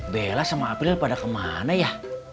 bela sama april pada kemana ya